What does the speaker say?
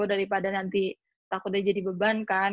daripada nanti takut aja jadi beban kan